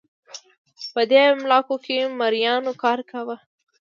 په دې املاکو کې مریانو کار کاوه